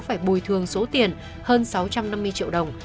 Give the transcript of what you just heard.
phải bồi thường số tiền hơn sáu trăm năm mươi triệu đồng